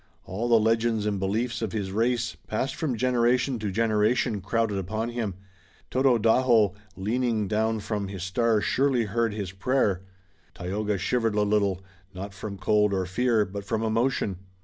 All the legends and beliefs of his race, passed from generation to generation, crowded upon him. Tododaho leaning down from his star surely heard his prayer. Tayoga shivered a little, not from cold or fear, but from emotion.